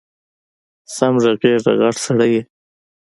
سم غږېږه غټ سړی یې